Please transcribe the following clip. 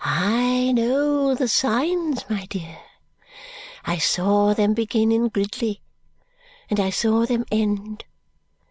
I know the signs, my dear. I saw them begin in Gridley. And I saw them end.